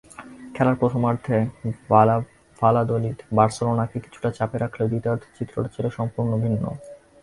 খেলার প্রধমার্ধে ভালাদোলিদ বার্সেলোনাকে কিছুটা চাপে রাখলেও দ্বিতীয়ার্ধের চিত্রটা ছিল সম্পূর্ণ ভিন্ন।